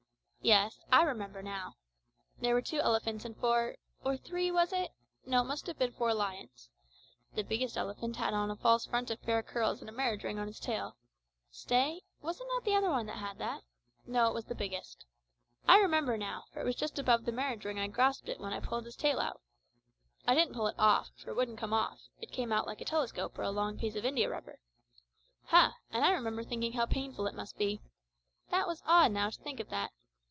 "Yes, I remember now. There were two elephants and four or three, was it? no, it must have been four lions. The biggest elephant had on a false front of fair curls and a marriage ring on its tail. Stay; was it not the other one had that? No, it was the biggest. I remember now, for it was just above the marriage ring I grasped it when I pulled its tail out. I didn't pull it off, for it wouldn't come off; it came out like a telescope or a long piece of indiarubber. Ha! and I remember thinking how painful it must be. That was odd, now, to think of that.